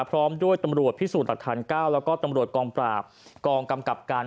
พร้อมด้วยตำรวจพิสูจน์หลักฐาน๙แล้วก็ตำรวจกองปราบกองกำกับการ